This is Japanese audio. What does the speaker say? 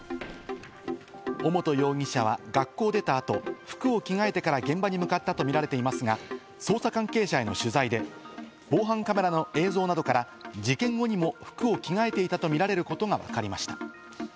尾本容疑者は学校を出た後、服を着替えてから現場に向かったとみられていますが、捜査関係者への取材で、防犯カメラの映像などから事件後にも服を着替えていたとみられることがわかりました。